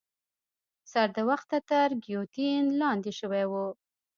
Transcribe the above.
سر د وخته تر ګیوتین لاندي شوی وو.